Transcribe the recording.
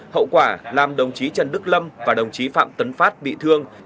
hậu quả làm đồng chí trần đức lâm và đồng chí phạm tấn phát bị thương